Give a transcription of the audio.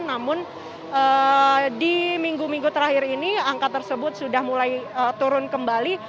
namun di minggu minggu terakhir ini angka tersebut sudah mulai turun kembali